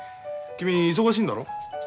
君忙しいんだろ。